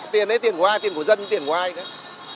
tiền đấy tiền của ai tiền của dân tiền của ai